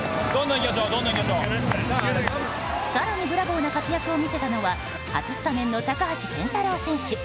更にブラボーな活躍を見せたのは初スタメンの高橋健太郎選手。